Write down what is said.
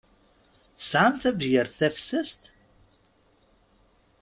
Tesɛam tabyirt tafessast?